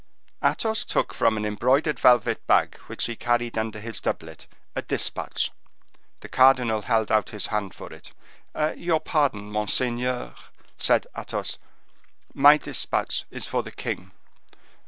Athos took from an embroidered velvet bag which he carried under his doublet a dispatch. The cardinal held out his hand for it. "Your pardon, monseigneur," said Athos. "My dispatch is for the king."